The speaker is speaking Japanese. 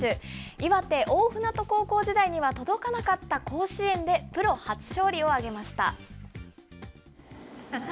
岩手・大船渡高校時代には届かなかった甲子園で、プロ初勝利を挙げました。